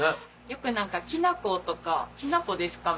よく何かきな粉とか「きな粉ですか？」